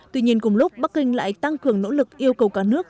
tuy nhiên cùng lúc bắc kinh lại tăng cường nỗ lực yêu cầu cả nước